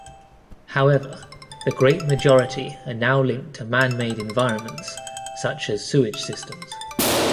However, the great majority are now linked to man-made environments, such as sewage systems.